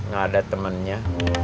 gak ada temennya